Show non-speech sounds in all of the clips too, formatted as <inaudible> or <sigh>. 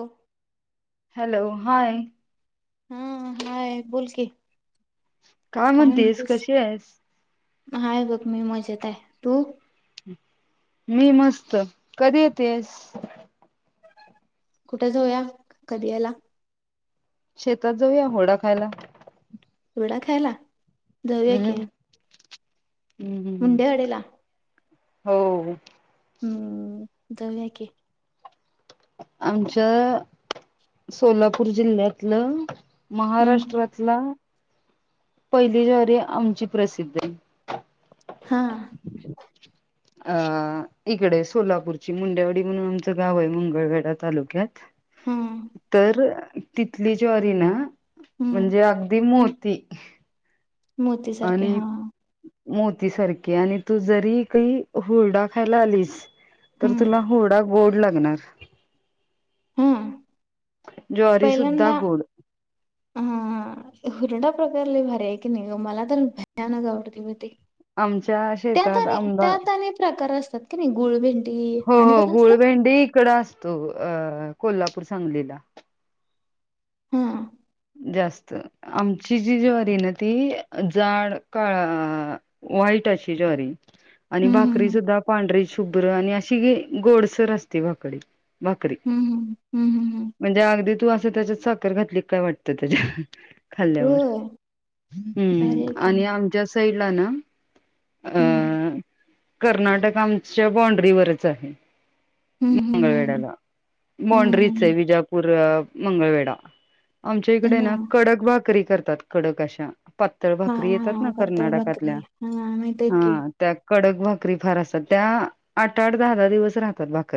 हो! Hello hi! हा hi बोल क. काय म्हणतेस कशी आहेस. हाय बघ मी मजेत आहे तू. मी मस्त कधी येतेस. कुठे जाऊया कधी याला. शेतात जाऊया होडा खायला. वडा खायला रया क.. हम्म हम्म मुडे्यावाडेला.. हो. हम्म दव्याकी. आमच्या सोलापूर जिल्ह्यातलं.. हम्म महाराष्ट्रातला.. पहिली जरी आमची प्रसिद्धी.. हा. अ इकडे सोलापूरची मुंड्यावडी म्हणून आमचं गाव आहे मंगळवेडा तालुक्यात.. हम्म तर तिथली ज्री ना हम्म म्हणजे अगदी मोठ.. ती.. मोती सारखे हा. मोतीसारखे आणि तू जरी काही हुरडा खायला आलीस.. तर हम्म तुला हुडा बोड लागणार. हम्म जवरी सुद्धा पहिल्यांदा गोड. हा हुरडा प्रकारले भर्याय की निघ मला तर भयानक आवडती भती. आमच्या त्यात शेतात आंबा त्यात अने प्रकार असतात क नाही गुळभेंडी.. हो हो गुळभेंडी इकड असतो अ कोल्हापूर सांगलीला. हा. जास्त आमची जी जवारी ना ती जाड काळा.. वईट अशी जॉरी.. आणि हम्म भाकरी हम्म सुद्धा पांढरी शुभ्र आणि अशी गोडसर असते भाकरी. बाकरी हम्म हम्म हम्म हम्म हम्म म्हणजेगदी तू अस.. त्याच्यात साखर घातली काय वाटत त्याच्या. खाल्ल्यावर होय भारी आहे ह् की आणि आमच्या साईडला ना.. अ हम्म. कर्नाटक आमच्या बाॉंड्रीवरच आहे. हम्म हम्म हम्म मंगळवेढ्याला हम्म बाॉंड्रीच आहे हम्म विजापूर मंगळवेढा.. आमच्या इकडे त्यांना ना कडक भाकरी करतात कडक अशा पतळ हा भाकरी येतात हा ना पातळ कर्नाटकातल्या भाकरी हा माहित आहेत की हा त्या कडक भाकरी फार असतात त्या आठ आठ दहा दहा दिवस राहतात बाकरी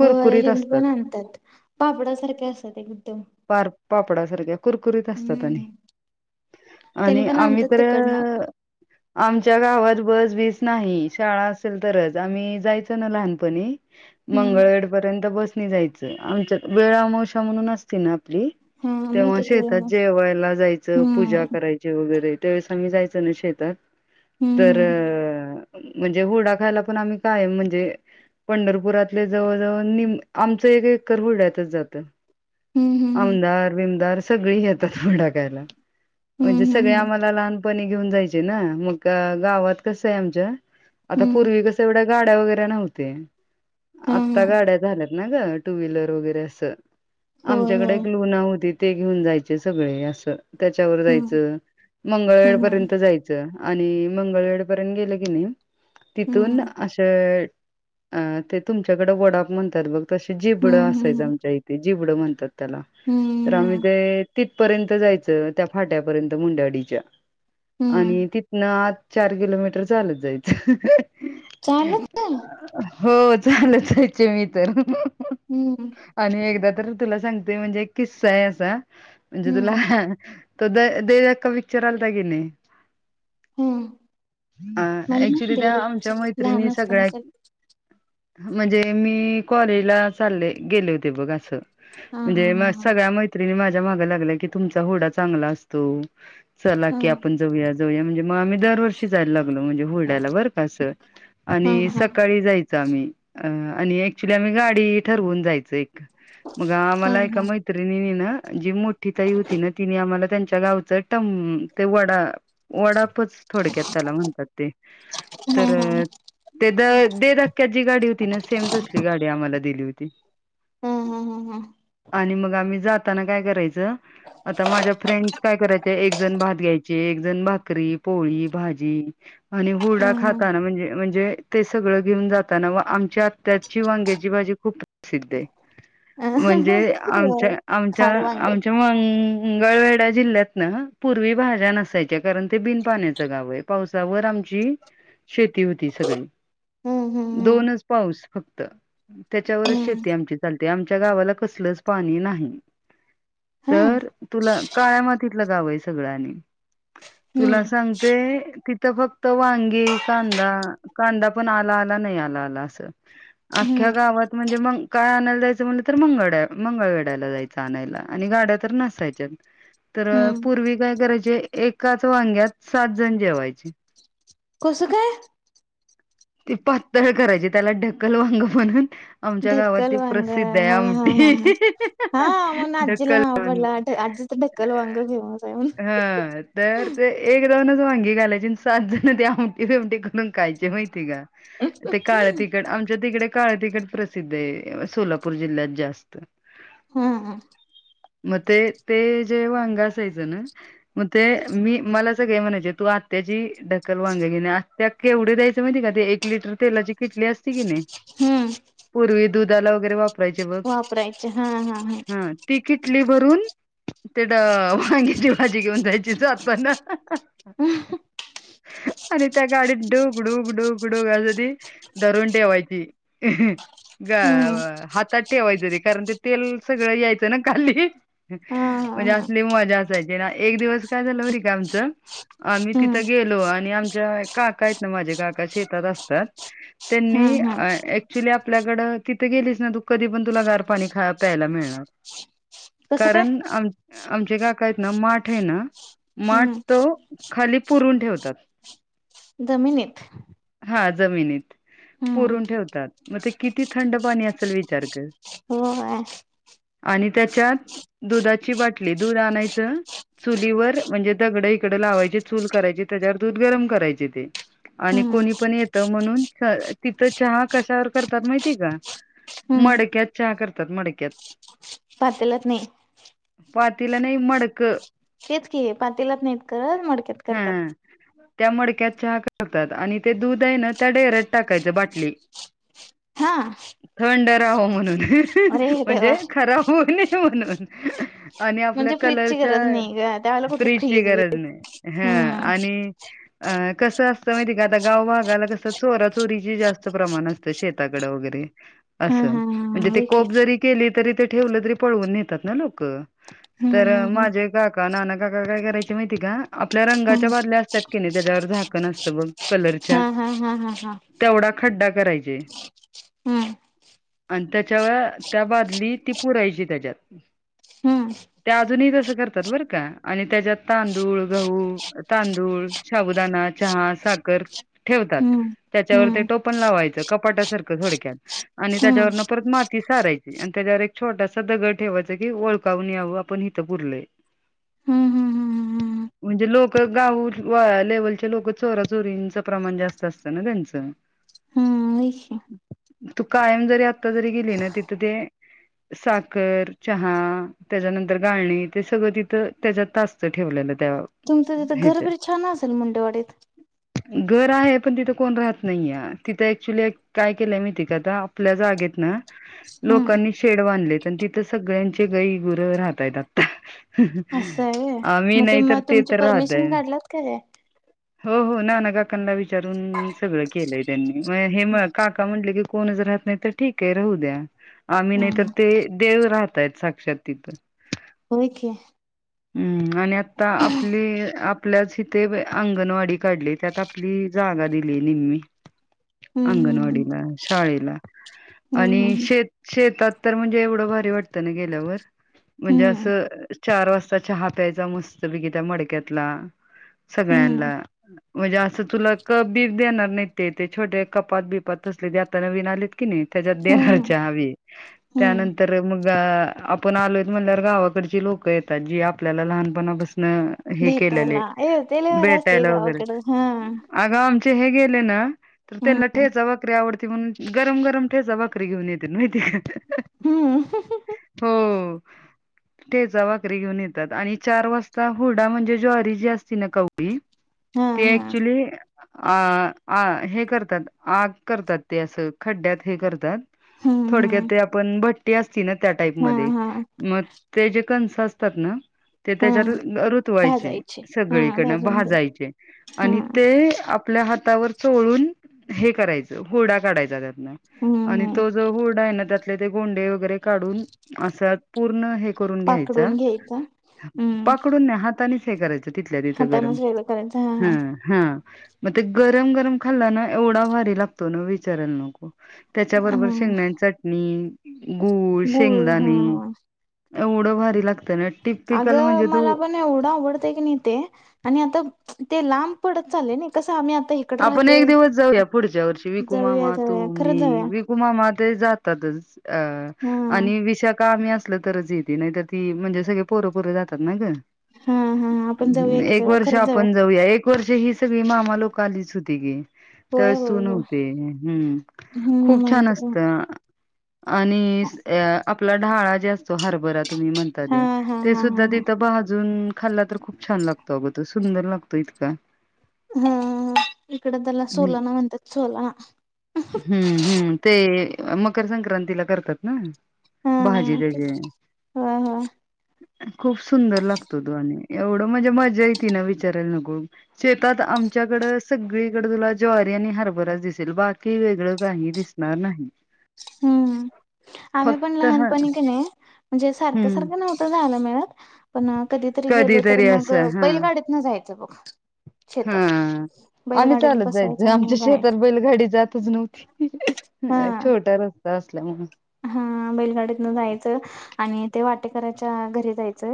हो हिंदू पण आणतात पापड सारख्या असतात एकदम ड कत हम्म त्याने आणि पण आम्ही आणतात तर तिकडनं आमच्या गावात बस वीस नाही शाळा असेल तरच आम्ही जायचो ना लहानपणी हम्म मंगळवेढ पर्यंत बसणी जायचं आमच्या वेळा अमावश्या म्हणून असती ना हा माहित तेव्हा आहे की मला शेतात मस्त जेवायला जायचं पूजा हम्म करायची वगैरे त्यावेळेस आम्ही जायचं ना शेतात तर हम्म म्हणजे होुडा खायला पण आम्ही काय म्हणजे पंढरपुरातले जवळ जवळ निम आमचं एक एकर होुड्यातच जात हम्म हम्म आमदार बमदार सगळी येतात डाकायला म्हणजे सगळे हम्म आम्हाला लहान घेऊन जा म गाात क आम पूर् हम्म क गाड्या वगैरे नव्हत आता हम्म हम्म हम्म हम्म हा हा गाड्या झाल्यात ना ग टू व्हीलर वगैरे असं हो हो आमच्याकडे एक होती ते घेऊन जायचे सगळे असं त्याच्यावर हम्म जायचं मंगळवेर हम्म पर्यंत जायचं आणि मंगळवेढ पर्यंत गेले गेणे तिथून हम्म असं अ ते तुमच्याकडे वडाप म्हणतात बघ तसे जिबडं हम्म असायच हम्म आमच्या इथे जिबड म्हणतात त्याला हम्म तर आम्ही हम्म ते तिथपर्यंत जायचं त्या फाट्यापर्यंत मुंड्यावाडीच्या हम्म आणि तिथनं चार किलोमीटर चालत जायच चालत हो चालचयचे मी तर हम्म आणि एकदा तर तुला सांगतेय म्हणजे किस्सा आहे असा म्हणजे तुला हम्म त द देका पिक्चर आलाता की नाही हम्म अ मला ना ऍक्चुली त्या देवरे आमच्या पिक्चर लहान मैत्रिणी असताना सगळ्या सर म्हणजे मी कॉलेजला चालले गेले होते बघ असं हा हा म्हणजे त्या मैत्र माझ्या माग लागल्या की तुमचा होडा चांगला असतो चला हा की हा. आपण जाऊया जाऊया म्हणजे मग आम्ही दरवर्षी जायला लागलो म्हणजे होरड्याला बरं कासं हा आणि हा सकाळी जायचं आम्ही आणि क्च्युली आम्ही गाडी ठरवून जायच एक मग हा आम्हाला ए माहि जी मोठी ताई होती ना तिने आम्हाला त्यांच्या गावच ट ते वडा वडापच थोडक्यात त्याला म्हणतात ते हा हा तर हा ते द दे क्क्या जी गाडी होती ना सेम तसली गाडी आम्हाला दिली होती हम्म हम्म हम्म हम्म म जाताना काय करायच आता माझ्या फ्रेंड काय कराय एक जण भात घ्यायचे एकण भात पोळी भाजी आणि हुरडा हा खाताना म्हणजे म्हणजे ते सगळं घेऊन जाताना व आमच्या त्याची वांग्याची भाजी खूप प्रसिद्ध आहे हा. म्हणजे होय आमच्या आमच्या खार वांग आमच्या म उंगाळवेडा जिल्ह्यात ना पूर्वी भाज्या नसायच्या कारण ते बिन पाण्याचं गाव आहे पावसावर आम शेती होती स हम्म हम्म दोनच पाऊस फक्त त्याच्यावरच हम्म. शेती आमची चालते आमच्या गावाला कसलच पाणी नाही हम्म हम्म तर तुला काळ्यामातीतलं गाव आहे सगळ्यांनी तुला हम्म सांगते कि फक्त वांगी कांदा कांदा पण आला आला नाही आला आला अस ह हम्म गावात म्हणजे म काय आणायला जायचं म्हटलं तर मंगळ मंगळवे आणाय आणि गाड्या तर नसायच्या हम्म. पूर् काय करा म्हणजे एकाच वांग्यात सात जण जेवायचे कसं काय ते पातळ करायचे त्याला ढकल वांग म्हनून आमच्या गावात त ढक्कल वांग प्रसिद्ध आहे हा हा हा आमठी हा. हा म्हणून आजीला ढकल नाव पडलं आजी तर ढक्कल वांग फेमस आहे म्हणून. हा तर ते एक जाऊ वांगी घालायची सात जण ते आमटे फेमटे करून खयचे माहिती का ते काळ तिकड आमच्या तिकडे काळ तिकट प्रसिद्ध आहे सोलापूर जिल्ह्यात जास्त. हम्म हम्म. मग ते ते जेव्हा अंग असायचं ना मग ते मी मला असं का म्हणायच त आत्याची ढकल वांगे घेणे आत्या केवढी द्याय चा माहिती आहे का ते एक लिटरची तेलाची केटली असती की नी हम्म पुर्वी दुधाला वगैरे वाप रायचे बघ वापरायचे हा हा हा हम्म ती किटली भरून तेढं वांग्याची भाजी घेऊन जायचीच जात पणं आणि त्या गाडीत डू डूकडुकडूक असं ती धरून ठेवायची. गाव हम्म. हातात ठेवायचं रे कारण ते तेल सगळं यायचं ना खाली हा हा म्हणजे हा असली मजा असायची ना एक दिवस काय झालं हो रे का आमचं आम्ही हम्म तिथं गेलो आणि आ चाय काका आहे न माझ्या काका शेतात असतात हा त्यांनी हा अय एक्च्युली आपल्याकडे तिथं गेलीच ना तू कधी पण तुला गार पाणी खा प्यायला मिळणार. कसं काय कारण आम आमचे काका आहेत ना माठ आहे ना माठ हम्म. तो खाली पुरून ठेवतात. जमिनीत हा जमिनीत हम्म पुरून ठेवतात मग ते किती थंड पाणी असेल विचार कर. <unintelligible> आणि त्याच्यात दुधाची बाटली दूध आणायचं चुल्हीवर म्हणजे दगडं इकडं लावायचे चूल करायची त्याच्यावर दूध गरम करायचे ते आणि हम्म कोणी पण येतं म्हणून तिथं चहा कशावर करतात माहिती का? हम्म मडक्यात चहा करतात मडक्यात. पातलात नाही. पातीले नाही माडकं तेच की पातेलात नाहीत करत मडक्यात हा करतात. त्या मडक्यात चहा करतात आणि ते दूध आहे ना त्या डेरेक्ट टाकायचा बाटली हा थंड राहो म्हणून अरे देवा म्हणजे खराब होऊ नी म्हणून आणि आपल्या म्हणजे फ्रीजची कलरच्या गरज नाही ग त्यावेळेला कुठलं फ्रीजची फ्रीज गरज बीज नाही हा हम्म आणि अ कसं अस तं माहिती का आता गावभगाला कसं चोरा चोरीची जास्त प्रमाण असतं शेताकडं वगैरे हा असं हा म्हणजे हा ते होय की कोप जरी केली तरी ते ठेवलं तरी पळवून नेतात ना लोकं हम्म तर हम्म माझे काका नाना काका काय करायचे माहितीय का? आपल्या हम्म रंगाच्या बादल्या असतात की नाही त्याच्यावर झाकण असतं ब कलरच्या हा हा हा हा हा तेवढा खड्डा करायचे. हम्म. आणि त्याच्यावर त्या बादली ती पुरायची त्याच्यात. हम्म. ते अजूनही तसं करतात बरं का आणि त्याच्यात तांदूळ गहू तांदूळ, शाबुदाना चहा साखर ठेवतात हम्म त्याचावर हम्म टोपन लावायचा कपाटा सारख थोडक्यात आणि त्या हम्म वरनं परत माती सारायची आणि त्याच्यावर एक छोटासा दगड ठेवायचा की ओळखवून यावं आपण हिथं पुरलय हम्म हम्म हम्म म्हणजे लोकं गावं आ लेवलच्या लोकं चोरा चोरींचा प्रमाण जास्त असतं ना त्यांचा हम्म होय की तू कायम जरी आता जरी गेली ना तिथं ते साखर चहा त्याच्यानंतर गाळणी ते सगळं तिथं त्याच्यात असतं ठेवलेलं. त्या तुमचं तिथ ह्याच्यात घरबीर छान असेल मुंडेवाडीत. घर आहे पण तिथं कोण राहत नाहीय तिथं ऍक्च्युली काय केलंय माहितीय आता आपल्या जागेत ना हम्म लोकांनी शेड बांधलेत आणि तिथं सगळ्यांचे गई गुरं राहतायेत आता असं आहे व्हय आम्ही मग नाही तुम तर ते तुमची तर परमिशन राहतय काढलात काय हो हो नानाकाकांना विचारून सगळं केलंय त्यांनी म हे काका म्हटलं की कोणच राहत नाही तर ठीक आहे राहू द्या आम्ही नाही हम्म तर ते देव राहतय स साक्षात तिथं होय की हुं आणि आता आपली आपल्याच इथे आ गणवाडी काढली त्यात आपली जागा दिली निम्मी हम्म अंगणवाडीला शाळेला हम्म आणि शेत शेतात तर म्हणजे एवढं भारी वाटत ना गेल्यावर म्हणजे अस हम्म चार वाजता चहा प्यायचा मस्तपैकी त्या मडक्यातला हम्म सगळ्यांनला म्हणजे असं तुला कप बीप देणार नाही ते छोटे कपात बिपात तसले ते आता नवीन आलेत कि नाही त्याच्यात हम्म हम्म देरच्या हवी हम्म त्यानंतर मग ग आपण आलोयत म्हणल्या गावाकडची लोकं येतात जी आपल्याला लहानपणापासन ह हे केल्याले, भेटायला ये ते लय भारी असतय भेटायला वगैरे गावाकडं हा अगं आमचे हे गेले ना तर हम्म त्यांना ठेचा भाकरी आवड ती म्हणून गरम गरम ठेचा भाकरी घेऊन येते माहतीये हम्म का हो ठेचा भाकरी घेऊन येतात आणि चार वाजता हुरडा म्हणजे ज्वारी जी असती ना कवळी हा ते हा ऍक्चुली अ आ हे करतात आग करतात ते असं खड्ड्यात हे करतात हम्म थोडक्यात हम्म ते आपण भट्टी असती ना त्या टाईप हा मध्ये हा मग ते जे कण सं असतात ना ते हा तेच्यात रुतवायची भाजायचे हा सगळीकडन भाजून भा घे जायची हा आणि ते आपल्या हातावर चोळून हे करायचं हुरडा काढायचा त्यातला हम्म आणि हम्म तो जो हुरडा आहे ना त्यातले ते गोंडे वगैरे काढून अस पूर्ण हे करून घ्यायच, पाकडून घ्यायचा हम्म पाखडून नाही हातानीच हे करायचं तिथल्या तिथं गरम हातानच वेगळं करायचं ह हा हुं ह मग ते गरम गरम खाल्ला ना एवढा भारी लागतो ना विचारायला नको! हा त्याच्याबरोबर हा शेंगण्याची चटणी, गूळ, गुळ शेंगदाणे हा एवढं भारी लागत अगं मला पण एवढं आवडतय की नाही ते आणि आता ते लांब पडत चाललय नइ कसं आम्ही आ आपण एक दिवस जाऊया पुढच्या वर्षी विकु जाऊया मामा तू जाऊया मी खरंच जाऊया विकुमामा ते जात तातच अ हा आणि विशाखा आम्ही अस असलं तरच येते नाही तर ती म्हणजे सगळे पोरं पोरं जातात ना ग हा हा आपण जाऊया की एक जाऊया वर्ष खरंच आपण जाऊया एक वर्ष म्हे ही सगळी मामा लोक आलीच होती की होय त्यावेळेस होय तू होय नव्हती. हुं हम्म खूप छान माहित आहे असत आणि आपला ढाळा जे असतो हरभरा तुम्ही म्हणता हा ते हा ते हा हा हा सुद्धा भा जून खाल्ला तर खूप छान लागतो अग सुंदर लागतो इतका इकडं त्याला सोलाना म्हणत्यात सोलाना हुं हुं ते मकर संक्रांतीला करतात ना हा भाजी त्याजी होय होय खूप सुंदर लागतो तो आणि एवढं म्हणजे मज्जा येते ना विचारायला नको शेतात आम तुमच्याकडे सगळीकडे तुला ज्वारी आणि हरबराच दिसेल बाकी वेगळं काही दिसणार नाही. हम्म आम्ही पण फक्त ह लहानपणी क नाही. म्हणजे सारखं हम्म सारखं नव्हतं जायला मिळत पण कधीतरी गेलो तर मग असं हा बैलगाडीत ना जायच. हा शेतात. आम्ही बैलगाडीत चालत जायच बसायचं आणि आमच्या जायचं शेतात बैलगाडी जातच नव्हती हा छोटा रस का असल्या. हा बैलगाडीतन जायचं आणि ते वाटेकरच्या घरी जायच.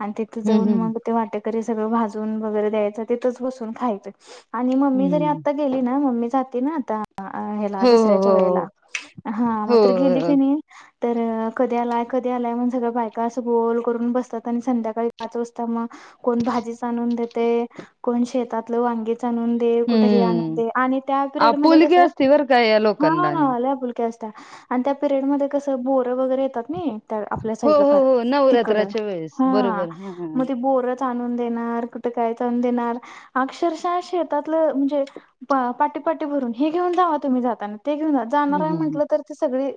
आणि तिथं हम्म जाऊन हम्म मग ते वाटेकरी सगळं भाजून वगैरे द्यायचं तिथंच बसून खायचंय. आणि मम्मी जरी हम्म आता गेली ना मम्मी जाते ना आता ह्याला हो दसऱ्याच्या हो वेळेला हा हो मग्र गेली. हो की नाही तर कधी आलाय कधी आलाय म्हग सगळ बायका असं गोल करून बसतात आणि संध्याकाळी पाच वाजता. ग कोण भाजी च आणून देते कोण शेतातलं वांगी. आण दे कुठ आण हम्म दे आणि त्या पिरयड म आपुलकी कस असती बर का या हा लोकांना आणि आल्या, आणि त्या पिरयड म कस बोर वगैरे येतात नाही. आपल्या हो साईडला हो फ हो तिकड नवरात्राच्या वेळेस हा बरोबर हा मग ते बोर. आणून देणार कुठ काही देणार अक्षश शेतात म्हणजे पाठी पाटी भरून हे घेऊन जावा तुम्ही जाताना ते घेऊन जाणार हम्म म्हटलं तर ते सगळी.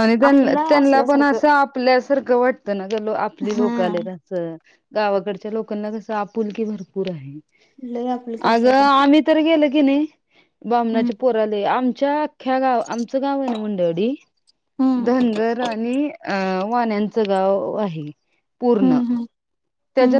आणि आपला त्यांना पण असल्यासारखं असं आपल्यासारखं वाटत ना ग आपली लोक आले हां, तसं. गावाकडच्या लोकांना कस आपुलकी भरपूर आहे लय आपुलकी अग असत्या त्यांना. आम्ही तर गेलो. हम्म, बमणाच्या पोराले आमच्या ख्या गाव आमचं गाव आहे ना मुंडडी हम्म, धनगर आणि अ वाण्याच गाव आहे पूर्ण हम्म, हम्म, हम्म. त्याच्या